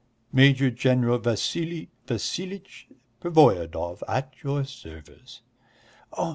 Major General Vassili Vassilitch Pervoyedov, at your service."